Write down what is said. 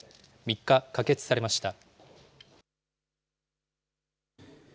３日、可決されました。